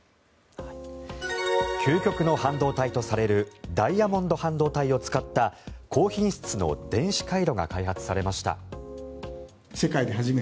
究極の半導体とされるダイヤモンド半導体を使った高品質の電子回路が開発されました。